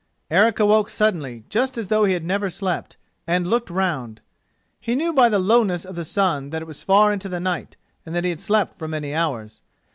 Eric awoke suddenly, just as though he had never slept, and looked around. He knew by the lowness of the sun that it was far into the night, and that he had slept for many hours.